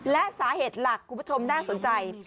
และสาเหตุหลักคุณผู้ชมน่าสนใจ